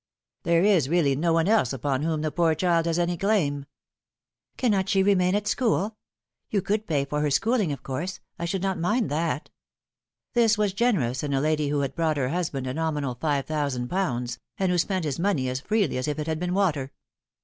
" There is really no one else upon whom the poor child haa any claim." " Cannot she remain at school ? You could pay for her schooling, of course. I should not mind that." This was generous in a lady who had brought her husband a nominal five thousand pounds, and who spent bis money as freely as if it had been water. 10 The Fatal Thru.